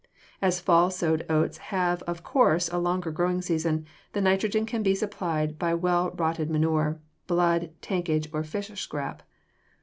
As fall sowed oats have of course a longer growing season, the nitrogen can be supplied by well rotted manure, blood, tankage, or fish scrap.